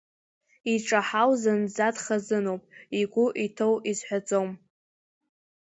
Иҿаҳау зынӡа дхазыноуп, игәы иҭоу изҳәаӡом!